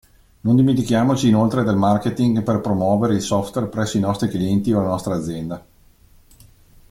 Non dimentichiamoci inoltre del marketing per promuovere il software presso i nostri clienti o la nostra azienda.